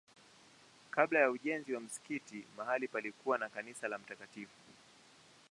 Kabla ya ujenzi wa msikiti mahali palikuwa na kanisa la Mt.